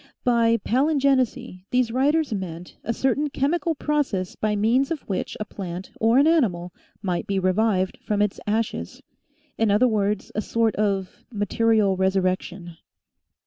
By palingenesy these writers meant a certain chemical process by means of which a plant or an animal might be revived from its ashes. In other words a sort of material resurrection.